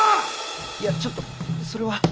いやちょっとそれは。